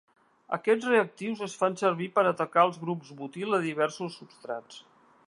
Aquests reactius es fan servir per atacar els grups butil a diversos substrats.